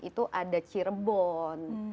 itu ada cirebon